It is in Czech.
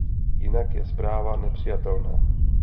Jinak je zpráva nepřijatelná.